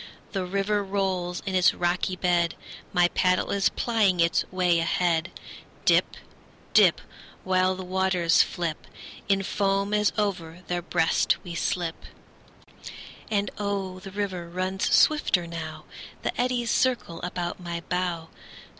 The river rolls in its rocky bed; My paddle is plying its way ahead; Dip, dip, While the waters flip In foam as over their breast we slip. And oh, the river runs swifter now; The eddies circle about my bow.